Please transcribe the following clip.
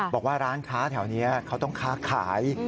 บอกว่าร้านค้าแถวนี้เขาต้องค้าขาย